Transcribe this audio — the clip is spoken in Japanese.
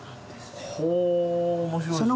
ほお面白いですね。